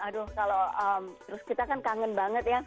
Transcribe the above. aduh kalau terus kita kan kangen banget ya